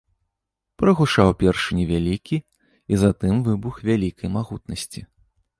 Прагучаў першы невялікі, і затым выбух вялікай магутнасці.